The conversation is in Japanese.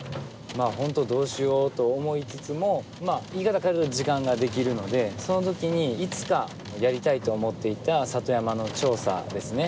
本当にどうしようと思いつつも言い方を変えると時間ができるのでそのときにいつかやりたいと思っていた里山の調査ですね